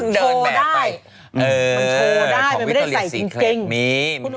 มันโชว์ได้มันไม่ได้ใส่จริง